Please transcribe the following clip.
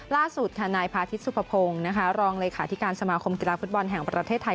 ล่าสุดค่ะนายพาทิตสุภพงศ์รองเลขาธิการสมาคมกีฬาฟุตบอลแห่งประเทศไทย